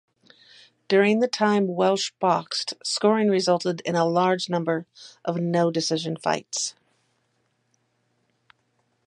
During the time Welsh boxed, scoring resulted in a large number of no-decision fights.